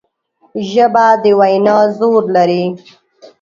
ژبه د وینا زور لري